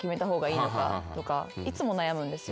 とかいつも悩むんですよ。